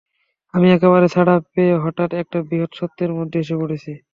আমি একেবারে ছাড়া পেয়ে হঠাৎ একটা বৃহৎ সত্যের মধ্যে এসে পড়েছি।